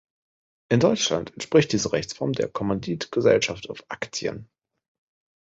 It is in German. In Deutschland entspricht diese Rechtsform der Kommanditgesellschaft auf Aktien.